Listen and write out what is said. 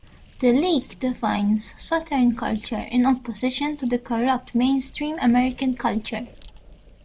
The League defines Southern culture in opposition to the corrupt mainstream American culture.